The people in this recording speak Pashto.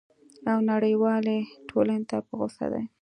او نړیوالي ټولني ته په غوصه دی!